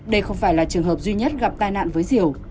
đây không phải là trường hợp duy nhất gặp tai nạn với diều